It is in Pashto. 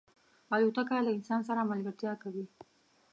الوتکه له انسان سره ملګرتیا کوي.